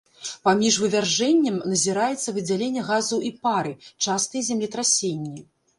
Паміж вывяржэнням назіраецца выдзяленне газаў і пары, частыя землетрасенні.